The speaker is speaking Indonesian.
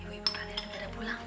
tuh ibu ibu kalian udah pulang